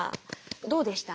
どうでした？